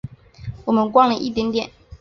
我们逛了一点点